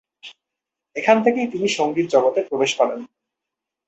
এখান থেকেই তিনি সংগীত জগতে প্রবেশ করেন।